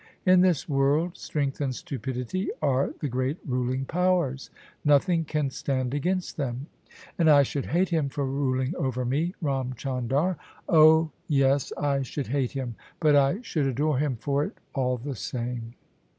In this world strength and stupidity are the great ruling powers; nothing can stand against them. And I should hate him for ruling over me. Ram Chandar — oh! THE SUBJECTION yes, I should hate him: but I should adore him for it all the same."